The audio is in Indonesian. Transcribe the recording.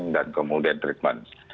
dan kemudian treatment